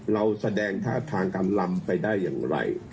เราแสดงท่าทางกำลำไปได้อย่างไร